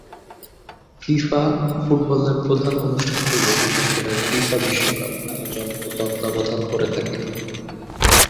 FIFA ফুটবলের প্রধান অনুষ্ঠানগুলো বিশেষ করে ফিফা বিশ্বকাপ আয়োজন ও তত্ত্বাবধান করে থাকে।